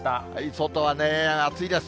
外はね、暑いです。